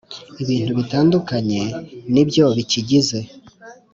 ibintu bitandukanye nibyo bikigize .